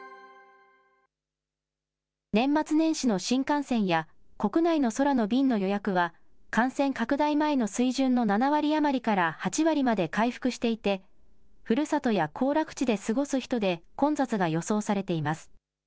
年末年始の新幹線や国内の空の便の予約は、感染拡大前の水準の７割余りから８割まで回復していて、ふるさとや行楽地で過ごす人で混雑が予想されています。